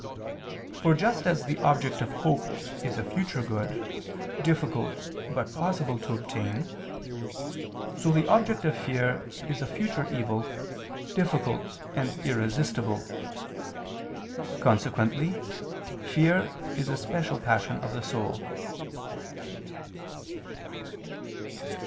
For just as the object of hope is a future good, difficult but possible to obtain; so the object of fear is a future evil, difficult and irresistible. Consequently fear is a special passion of the soul.